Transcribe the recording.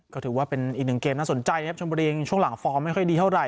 ก็ถือว่าเป็นอีกหนึ่งเกมน่าสนใจนะครับชมบุรีช่วงหลังฟอร์มไม่ค่อยดีเท่าไห